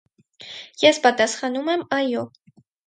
Ես պատասխանում եմ՝ այո։